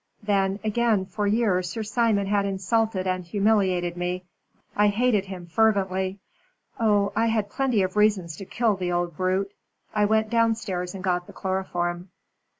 Then, again, for years Sir Simon had insulted and humiliated me. I hated him fervently. Oh, I had plenty of reasons to kill the old brute. I went downstairs and got the chloroform."